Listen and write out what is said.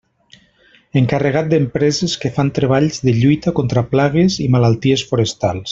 Encarregat d'empreses que fan treballs de lluita contra plagues i malalties forestals.